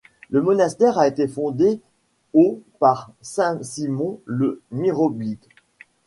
Le monastère a été fondé au par saint Simon le Myroblite.